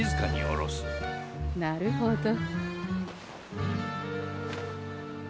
なるほど。